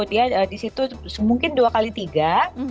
dia di situ mungkin dua kali tiga